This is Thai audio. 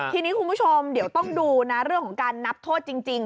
ทีนี้คุณผู้ชมเดี๋ยวต้องดูนะเรื่องของการนับโทษจริง